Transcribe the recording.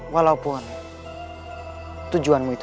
walaupun tujuanmu itu